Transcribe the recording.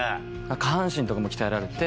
下半身とかも鍛えられて。